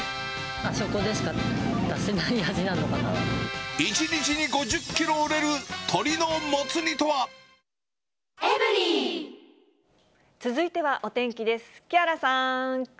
あそこでしか出せない味なの１日に５０キロ売れる鶏のも続いてはお天気です。